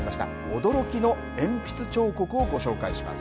驚きの鉛筆彫刻をご紹介します。